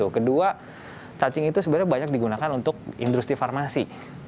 kedua cacing itu sebenarnya banyak digunakan untuk industri farmasi